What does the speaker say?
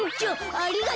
ありがとう。